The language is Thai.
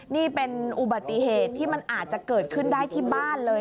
นี่เป็นอุบัติเหตุที่มันอาจจะเกิดขึ้นได้ที่บ้านเลย